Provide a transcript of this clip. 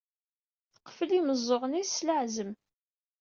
Teqfel imeẓẓuɣen-is s leɛzem.